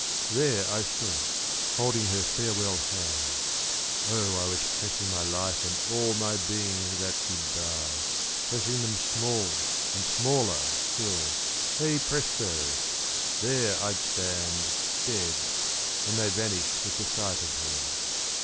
There I stood, holding her farewell hand, (Oh I was pressing my life and all My being into that good bye, pressing them small And smaller, till, hey presto! there I'd stand Dead, when they vanished with the sight of her.)